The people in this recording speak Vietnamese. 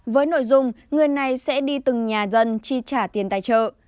với nội dung người này sẽ đi từng nhà dân chi trả tiền tài trợ